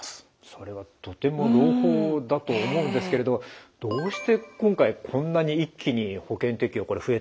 それはとても朗報だと思うんですけれどどうして今回こんなに一気に保険適用が増えたんでしょうか？